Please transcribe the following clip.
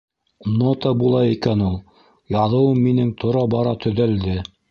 Нота була икән ул. Яҙыуым минең тора-бара төҙәлде.